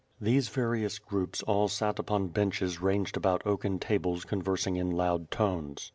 These various groups all sat upon benches ranged about oaken tables conversing in loud tones.